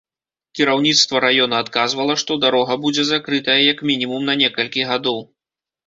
Кіраўніцтва раёна адказвала, што дарога будзе закрытая як мінімум на некалькі гадоў.